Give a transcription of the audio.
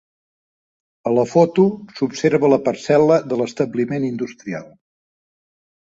A la foto s'observa la parcel·la de l'establiment industrial.